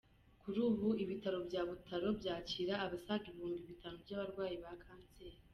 Kuri ubu ibitaro bya Butaro byakira abasaga ibihumbi bitanu by’abarwayi ba kanseri.